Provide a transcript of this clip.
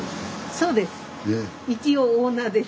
そうです。